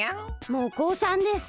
もうこうさんです。